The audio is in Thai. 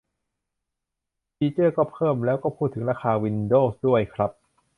ฟีเจอร์ก็เพิ่ม แล้วก็พูดถึงราคาวินโดวส์ด้วยครับ